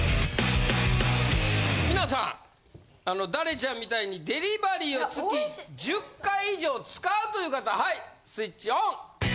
皆さんダレちゃんみたいにデリバリーを月１０回以上使うという方はいスイッチオン！